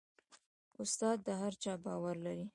استاد د هر چا باور لري.